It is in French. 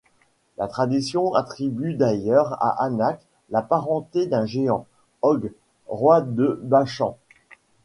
La tradition attribue d'ailleurs à Anak la parenté d'un géant, Og, roi de Bashân.